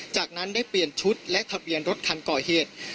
จากนั้นได้เปลี่ยนชุดและทะเบียนรถคันก่อเหตุ